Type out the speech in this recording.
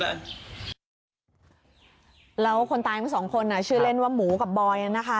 แล้วคนตายทั้งสองคนชื่อเล่นว่าหมูกับบอยนะคะ